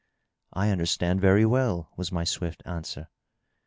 '' '^I understand very well/' was my swift answer.